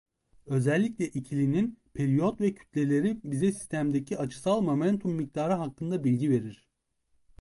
Özellikle ikilinin periyot ve kütleleri bize sistemdeki açısal momentum miktarı hakkında bilgi verir.